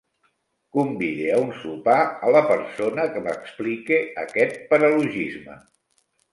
Convide a un sopar a la persona que m'explique aquest paralogisme.